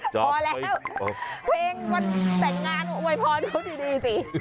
พอแล้วเพลงวันแต่งงานอวยพรเขาดีสิ